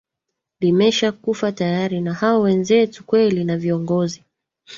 limesha kufa tayari na hao wenzetu kweli na viongozi